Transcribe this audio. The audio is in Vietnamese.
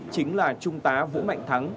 chính là trung tá vũ mạnh thắng